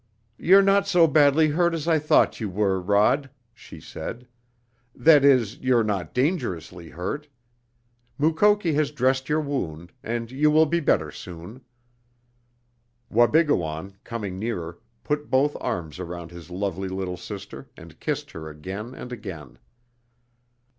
"You're not so badly hurt as I thought you were, Rod," she said. "That is, you're not dangerously hurt. Mukoki has dressed your wound, and you will be better soon." Wabigoon, coming nearer, put both arms around his lovely little sister and kissed her again and again.